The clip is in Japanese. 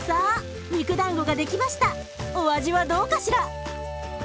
お味はどうかしら？